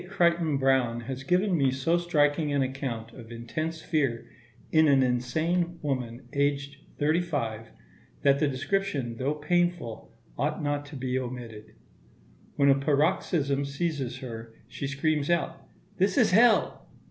Crichton Browne has given me so striking an account of intense fear in an insane woman, aged thirty five, that the description though painful ought not to be omitted. When a paroxysm seizes her, she screams out, "This is hell!"